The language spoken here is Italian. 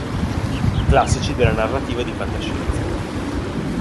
Classici della Narrativa di Fantascienza.